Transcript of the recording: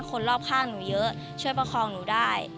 คนรอบข้างหนูเยอะช่วยประคองหนูได้